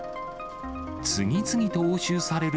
次々と押収される